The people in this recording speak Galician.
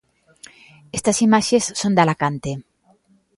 Estas imaxes son de Alacante.